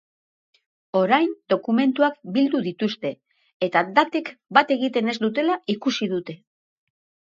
Orain dokumentuak bildu dituzte, eta datek bat egiten ez dutela ikusi dute.